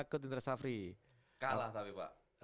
kutindra safi kalah tapi pak